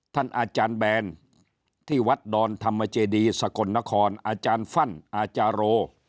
ท่านอาจารย์แบนที่วัดดอนธรรมเจดีสกลนครอาจารย์ฟั่นอาจารย์โร